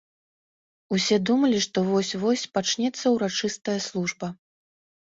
Усе думалі, што вось-вось пачнецца ўрачыстая служба.